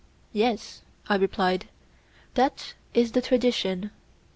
Yes, I replied, that is the tradition.